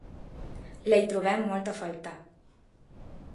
La hi trobem molt a faltar.